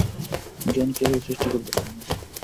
জ্ঞান কেহই সৃষ্টি করিতে পারে না।